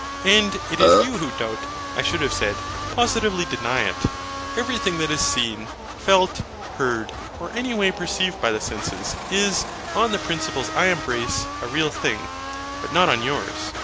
And it is you who doubt; I should have said, positively deny it. Everything that is seen, felt, heard, or any way perceived by the senses, is, on the principles I embrace, a real being; but not on yours.